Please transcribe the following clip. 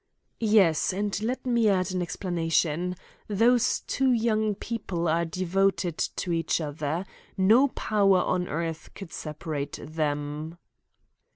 "Yes, and let me add an explanation. Those two young people are devoted to each other. No power on earth could separate them."